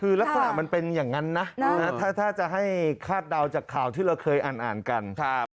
คือลักษณะมันเป็นอย่างนั้นนะถ้าจะให้คาดเดาจากข่าวที่เราเคยอ่านกัน